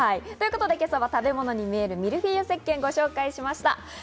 今朝は食べ物に見えるミルフィーユせっけんをご紹介しました。